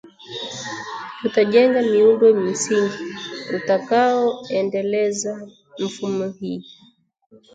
"Tutajenga miundo msingi!" utakao endeleza mfumo hii